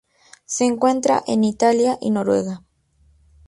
Se encuentra en Italia y Noruega.